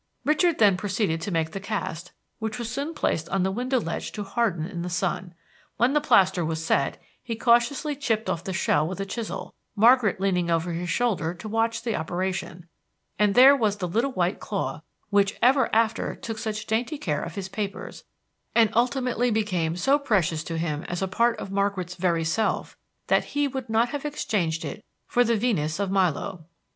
Richard then proceeded to make the cast, which was soon placed on the window ledge to harden in the sun. When the plaster was set, he cautiously chipped off the shell with a chisel, Margaret leaning over his shoulder to watch the operation, and there was the little white claw, which ever after took such dainty care of his papers, and ultimately became so precious to him as a part of Margaret's very self that he would not have exchanged it for the Venus of Milo.